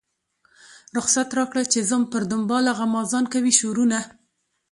رخصت راکړه چې ځم پر دنباله غمازان کوي شورونه.